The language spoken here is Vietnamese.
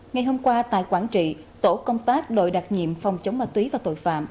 ngày hôm qua tại quảng trị tổ công tác đội đặc nhiệm phòng chống ma túy và tội phạm